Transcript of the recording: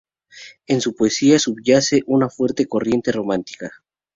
En su poesía subyace una fuerte corriente romántica.